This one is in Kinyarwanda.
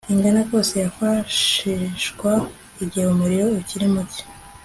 ingana kose, yakwifashishwa igihe umuriro ukiri muke